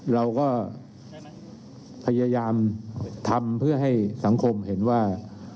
เราก็พยายามทำเพื่อให้สังคมเห็นว่า